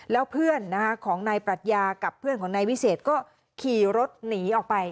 แล้วเพื่อนของนายปรัชญากับเพื่อนของนายวิเศษก็ขี่รถหนีออกไป